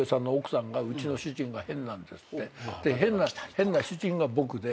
変な主人が僕で。